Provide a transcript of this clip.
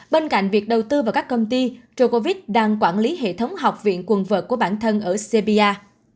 bên cạnh việc đầu tư vào các công ty trợ covid đang quản lý hệ thống học viện quần vật của bản thân ở serbia